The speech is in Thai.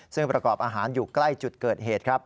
ซึ่งประกอบอาหารอยู่ใกล้จุดเกิดเหตุครับ